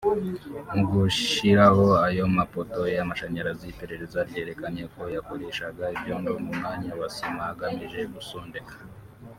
Mu gushyiraho ayo mapoto y’amashanyarazi iperereza ryerekanye ko yakoreshaga ibyondo mu mwanya wa sima agamije gusondeka